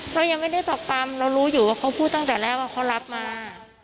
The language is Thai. เขายังไม่ได้ปักปำเรารู้อยู่ว่าเขาพูดตั้งแต่แรกว่าเขารับมา